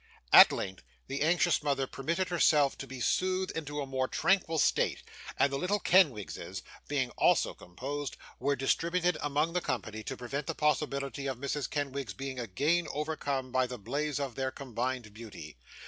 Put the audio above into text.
At length, the anxious mother permitted herself to be soothed into a more tranquil state, and the little Kenwigses, being also composed, were distributed among the company, to prevent the possibility of Mrs. Kenwigs being again overcome by the blaze of their combined beauty.